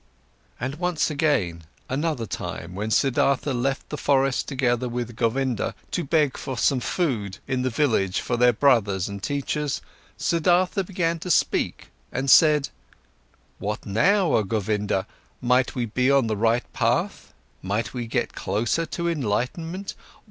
And once again, another time, when Siddhartha left the forest together with Govinda, to beg for some food in the village for their brothers and teachers, Siddhartha began to speak and said: "What now, oh Govinda, might we be on the right path? Might we get closer to enlightenment?